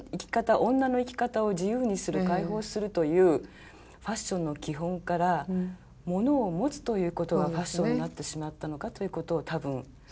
女の生き方を自由にする解放するというファッションの基本からモノを持つということがファッションになってしまったのかということを多分。